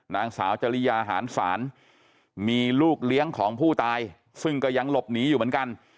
นางสาวจริยาหารศาลมีลูกเลี้ยงของผู้ตายซึ่งก็ยังหลบหนีอยู่เหมือนกัน